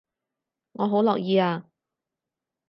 我好樂意啊